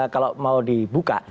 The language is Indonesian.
kalau mau dibuka